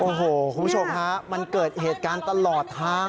โอ้โหคุณผู้ชมฮะมันเกิดเหตุการณ์ตลอดทาง